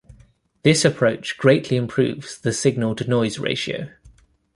This approach greatly improves the signal-to-noise ratio.